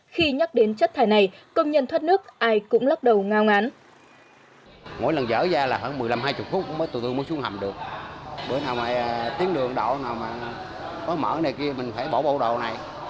khi nhắc đến chất thải này công nhân thoát nước ai cũng lắc đầu ngao ngán